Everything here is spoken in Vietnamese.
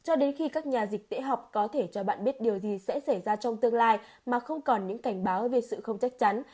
cho đến khi các nhà dịch tễ học có thể cho bạn biết điều gì sẽ xảy ra trong tương lai mà không còn những cảnh báo về sự không chắc chắn